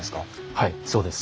はいそうです。